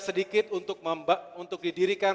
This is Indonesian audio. sedikit untuk membangun untuk didirikan